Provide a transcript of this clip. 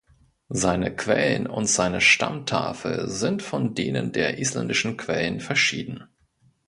Seine Quellen und seine Stammtafel sind von denen der isländischen Quellen verschieden.